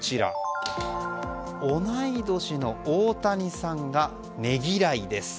同い年の大谷さんがねぎらいです。